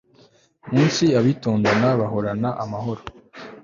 munsi abitonda bahoran'amahoro